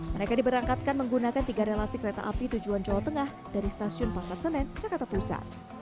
mereka diberangkatkan menggunakan tiga relasi kereta api tujuan jawa tengah dari stasiun pasar senen jakarta pusat